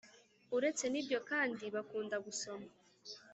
uretse n’ibyo kandi bakunda gusoma